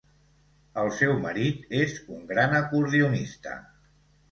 El seu marit és un gran acordionista.